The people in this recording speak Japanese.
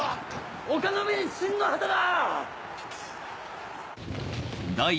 丘の上に秦の旗だ！